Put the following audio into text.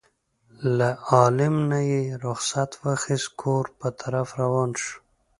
له عالم نه یې رخصت واخیست کور په طرف روان شو.